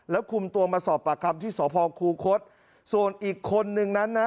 แล้วคุมตัวมาสอบปากคำที่สพคูคศส่วนอีกคนนึงนั้นนะ